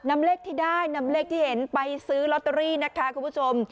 นำเลขที่ได้นำเลขที่เห็นไปซื้อลอตเตอรี่นะคะคุณผู้ชม